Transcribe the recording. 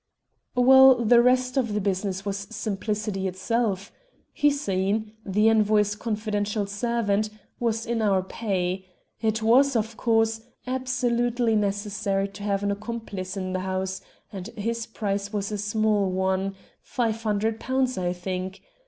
"Well, the rest of the business was simplicity itself. Hussein the Envoy's confidential servant was in our pay. It was, of course, absolutely necessary to have an accomplice in the house, and his price was a small one five hundred pounds, I think.